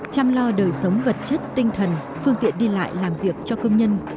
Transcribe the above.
chăm lo đời sống vật chất tinh thần phương tiện đi lại làm việc cho công nhân